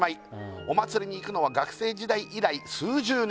「お祭りに行くのは学生時代以来数十年ぶり」